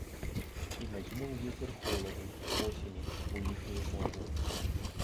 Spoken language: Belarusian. І надзьмуў вецер холаду, восені ў іхнюю мову.